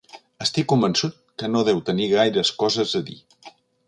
Estic convençut que no deu tenir gaires coses a dir.